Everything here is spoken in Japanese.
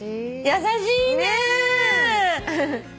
優しいね！